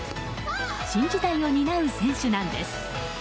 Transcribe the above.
新時代を担う選手なんです。